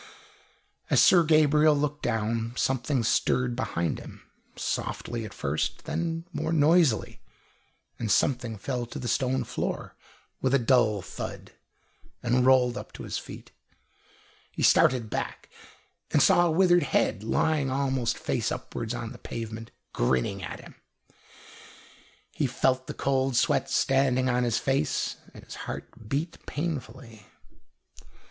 As Sir Gabriel looked down, something stirred behind him, softly at first, then more noisily, and something fell to the stone floor with a dull thud and rolled up to his feet; he started back and saw a withered head lying almost face upward on the pavement, grinning at him. He felt the cold sweat standing on his face, and his heart beat painfully.